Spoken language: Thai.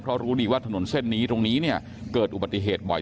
เพราะรู้ดีว่าถนนเส้นนี้ตรงนี้เนี่ยเกิดอุบัติเหตุบ่อย